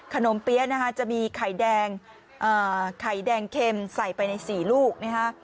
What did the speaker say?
เปี๊ยะนะคะจะมีไข่แดงไข่แดงเข็มใส่ไปใน๔ลูกนะฮะ